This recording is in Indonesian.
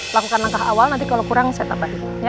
lakukan langkah awal nanti kalau kurang saya tambahin